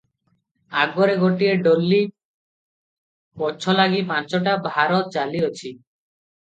ଆଗରେ ଗୋଟାଏ ଡୋଲି, ପଛଲାଗି ପାଞ୍ଚଟା ଭାର ଚାଲିଅଛି ।